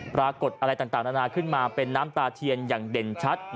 ปรากฏอะไรต่างนานาขึ้นมาเป็นน้ำตาเทียนอย่างเด่นชัด